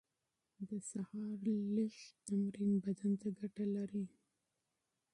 د سهار نرم تمرين بدن ته ګټه لري.